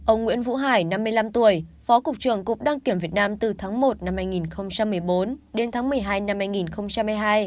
ông nguyễn vũ hải năm mươi năm tuổi phó cục trưởng cục đăng kiểm việt nam từ tháng một năm hai nghìn một mươi bốn đến tháng một mươi hai năm hai nghìn hai mươi hai